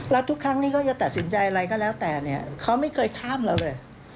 แล้วทุกครั้งนี้เขาจะตัดสินใจอะไรก็แล้วแต่เนี่ยเขาไม่เคยข้ามเราเลย